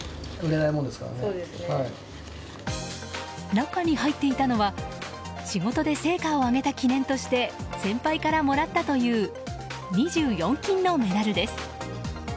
中に入っていたのは仕事で成果を上げた記念として先輩からもらったという２４金のメダルです。